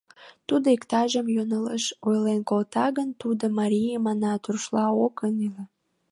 Тудо иктажым йоҥылыш ойлен колта гын, тудо — марий, манат, рушла ок ыҥыле.